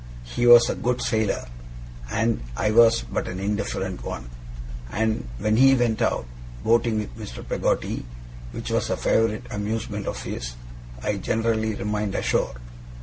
He was a good sailor, and I was but an indifferent one; and when he went out boating with Mr. Peggotty, which was a favourite amusement of his, I generally remained ashore.